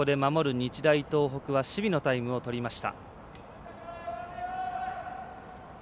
日大東北は守備のタイムをとりました。